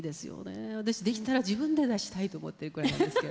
私できたら自分で出したいと思ってるくらいなんですけど。